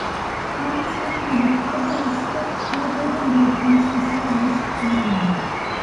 Condensation is a probabilistic algorithm that attempts to solve this problem.